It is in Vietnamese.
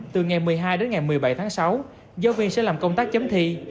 từ ngày một mươi hai đến ngày một mươi bảy tháng sáu giáo viên sẽ làm công tác chấm thi